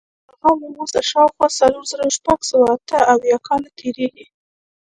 هغه له اوسه شاوخوا څلور زره شپږ سوه اته اویا کاله تېرېږي.